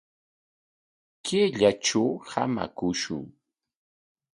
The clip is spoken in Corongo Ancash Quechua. Kayllatraw hamakushun.